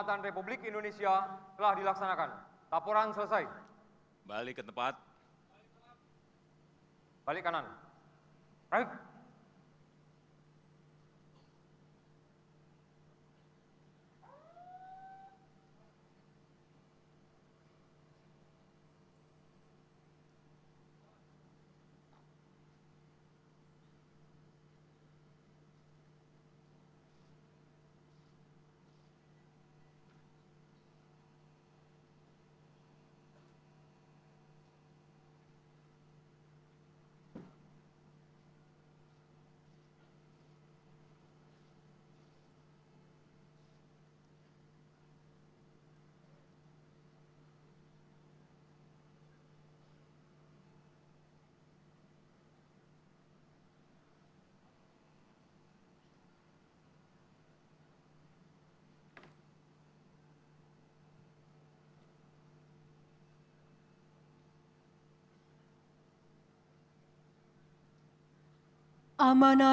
tanda kebesaran tutup hormat tenjata